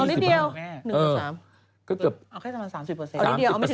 เอานิดเดียว๑๓เอาแค่สำหรับ๓๐เปอร์เซ็นต์